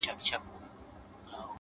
د چا د زړه ازار يې په څو واره دی اخيستی”